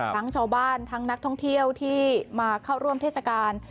ทั้งชาวบ้านทั้งนักท่องเที่ยวที่มาเข้าร่วมเทศกาล